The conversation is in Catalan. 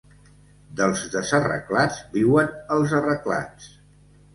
Dels desarreglats viuen els arreglats.